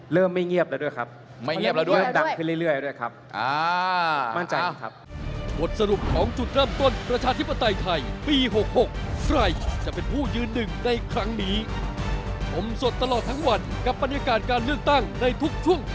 เริ่มไม่เงียบแล้วด้วยครับเริ่มดังขึ้นเรื่อยด้วยครับ